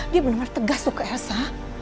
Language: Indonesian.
dia bener bener tegas suka elsa